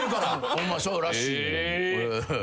ホンマそうらしいねん。